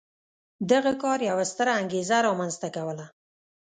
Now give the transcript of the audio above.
دغه کار یوه ستره انګېزه رامنځته کوله.